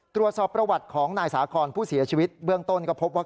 ตรวจสอบประวัติของนายสาคอนผู้เสียชีวิตเบื้องต้นก็พบว่า